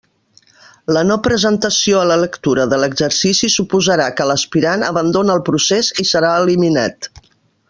La no presentació a la lectura de l'exercici suposarà que l'aspirant abandona el procés i serà eliminat.